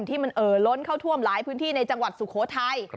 ที่มันเอ่อล้นเข้าท่วมหลายพื้นที่ในจังหวัดสุโขทัย